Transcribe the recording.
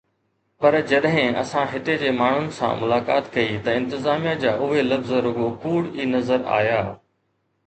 پر جڏهن اسان هتي جي ماڻهن سان ملاقات ڪئي ته انتظاميه جا اهي لفظ رڳو ڪوڙ ئي نظر آيا.